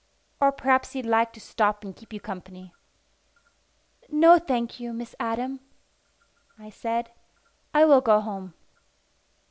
Or perhaps he'd like to stop and keep you company." "No, thank you, Miss Adam," I said. "I will go home."